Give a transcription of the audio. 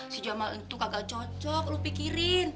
si jamaah itu kagak cocok lu pikirin